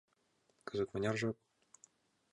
— Кызыт мыняр жап?